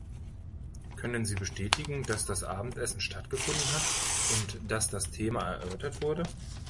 Können Sie bestätigen, dass das Abendessen stattgefunden hat und dass das Thema erörtert wurde?